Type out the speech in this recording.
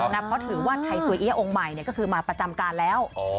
เพราะถือว่าไทยสวยเอี๊ยองค์ใหม่ก็คือมาประจำการแล้ว